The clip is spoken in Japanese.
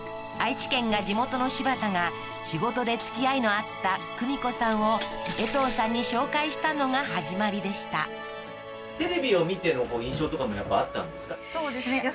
愛知県が地元の柴田が仕事でつきあいのあった久美子さんをえとうさんに紹介したのが始まりでしたそうですね